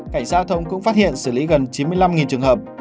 cảnh giao thông cũng phát hiện xử lý gần chín mươi năm trường hợp